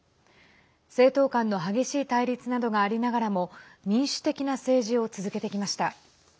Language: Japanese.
政党間の激しい対立などがありながらも民主的な政治を続けてきました。